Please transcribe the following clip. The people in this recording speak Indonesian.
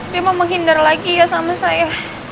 dia mau menghindar lagi ya sama saya